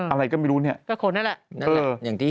อะไรก็ไม่รู้เนี่ยก็ขนนั่นแหละ